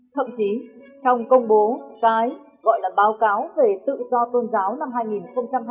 thậm chí trong công bố cái gọi là báo cáo về tự do tôn giáo năm hai nghìn hai mươi ba